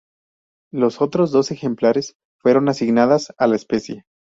Los otros dos ejemplares fueron asignadas a la especie.